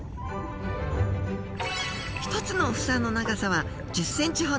１つの房の長さは１０ｃｍほど。